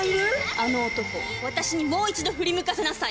あの男を私にも一度、振り向かせなさい。